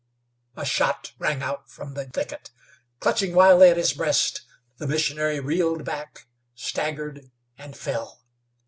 A shot rang out from the thicket. Clutching wildly at his breast, the missionary reeled back, staggered, and fell.